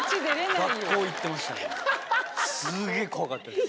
すげぇ怖かったです。